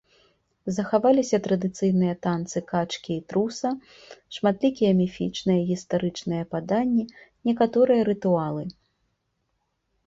Захаваліся традыцыйныя танцы качкі і труса, шматлікія міфічныя і гістарычныя паданні, некаторыя рытуалы.